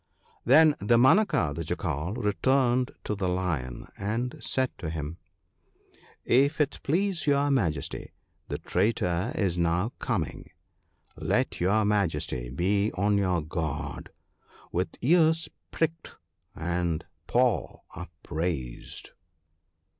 " Then Damanaka the Jackal returned to the Lion, and said to him :— 1 If it please your Majesty, the traitor is now coming ; let your Majesty be on your guard, with ears pricked and paw upraised.'